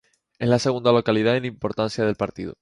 Es la segunda localidad en importancia del partido.